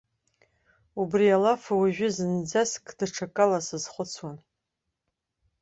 Убри алаф уажәы зынӡаск даҽакала сазхәыцуан.